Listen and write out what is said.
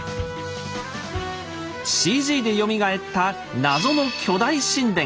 ＣＧでよみがえった謎の巨大神殿。